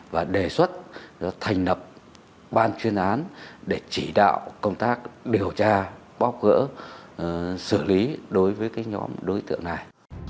và đề xuất thành lập ban chuyên án để chỉ đạo công tác điều tra bóc gỡ xử lý đối với cái nhóm đối tượng này